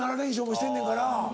もしてんねんから。